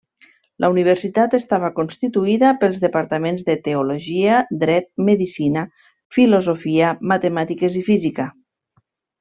La universitat estava constituïda pels departaments de Teologia, Dret, Medicina, Filosofia, Matemàtiques i Física.